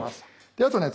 であとね